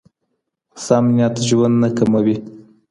سم نیت ژوند نه کموي.